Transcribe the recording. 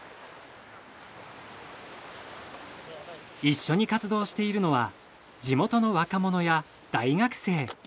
一緒に活動しているのは地元の若者や大学生。